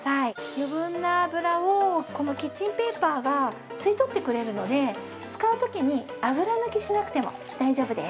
余分な油をこのキッチンペーパーが吸い取ってくれるので使う時に油抜きしなくても大丈夫です。